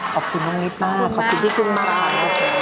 ขอบคุณน้องมิตต์มากขอบคุณที่คุณมาก